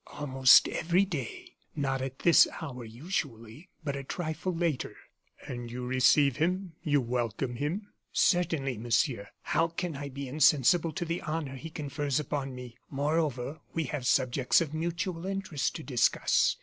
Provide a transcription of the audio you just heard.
"Almost every day not at this hour, usually, but a trifle later." "And you receive him? you welcome him?" "Certainly, Monsieur. How can I be insensible to the honor he confers upon me? Moreover, we have subjects of mutual interest to discuss.